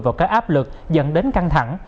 bệnh lực dẫn đến căng thẳng